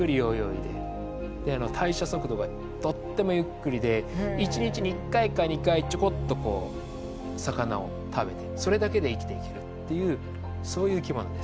で代謝速度がとってもゆっくりで１日に１回か２回ちょこっとこう魚を食べてそれだけで生きていけるっていうそういう生きものです。